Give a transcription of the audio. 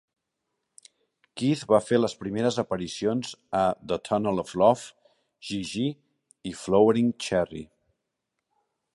Keith va fer les primeres aparicions a "The Tunnel of Love", "Gigi" i "Flowering Cherry".